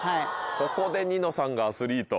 ここでニノさんがアスリート。